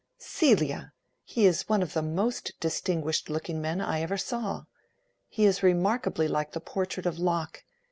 "Celia! He is one of the most distinguished looking men I ever saw. He is remarkably like the portrait of Locke.